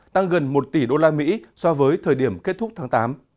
tăng gần một tỷ đô la mỹ so với thời điểm kết thúc tháng tám